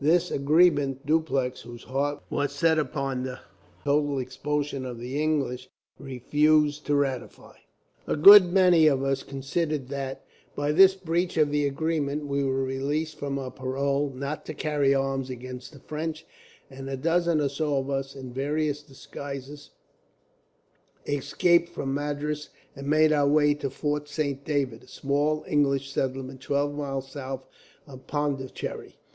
This agreement Dupleix, whose heart was set upon the total expulsion of the English, refused to ratify. "A good many of us considered that, by this breach of the agreement, we were released from our parole not to carry arms against the French; and a dozen or so of us, in various disguises, escaped from Madras and made our way to Fort Saint David, a small English settlement twelve miles south of Pondicherry.